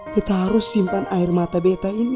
kita harus simpan air mata beta ini